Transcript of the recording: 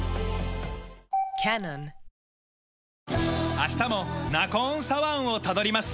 明日もナコーンサワンをたどります。